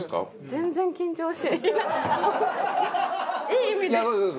いい意味で。